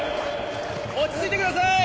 落ち着いてください！